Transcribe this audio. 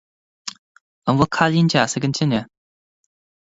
An bhfuil cailín deas ag an tine